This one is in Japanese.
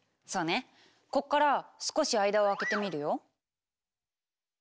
こっから少し間を空けてみるよ。